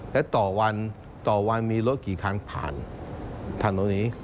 และต่อวันมีรถกี่ครั้งผ่านถนนนี้